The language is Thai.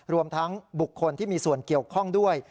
รวมทั้งบุคคลที่มีส่วนเกี่ยวข้องด้วย